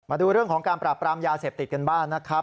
มาดูเรื่องของการปราบปรามยาเสพติดกันบ้างนะครับ